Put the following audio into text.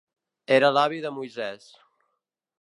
Era l'avi de Moisès.